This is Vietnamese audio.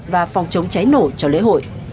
và phòng chống cháy nổ cho lễ hội